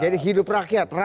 jadi hidup rakyat